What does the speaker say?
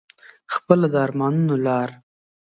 خپله د ارمانونو لار